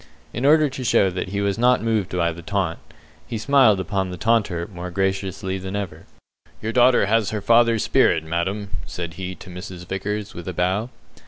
In order to show that he was not moved by the taunt, he smiled upon the taunter more graciously than ever. "Your daughter has her father's spirit, madam," said he to Mrs. Vickers, with a bow.